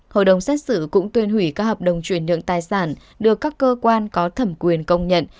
hội đồng xét xử cũng tuyên hủy các hợp đồng chuyển nhượng tài sản được các cơ quan có thẩm quyền công nhận